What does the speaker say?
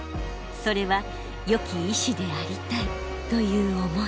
それはよき医師でありたいという思い。